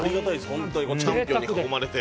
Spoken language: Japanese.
本当にチャンピオンに囲まれて。